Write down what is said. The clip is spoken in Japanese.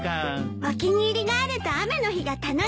お気に入りがあると雨の日が楽しくなるもんね。